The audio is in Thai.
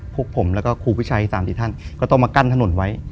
พวกผมแล้วก็ครูผู้ชาย๓๔ท่านก็ต้องมากั้นถนนไว้